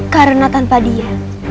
karena tanpa dia